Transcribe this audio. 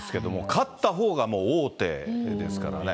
勝ったほうがもう王手ですからね。